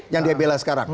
yang dia bela sekarang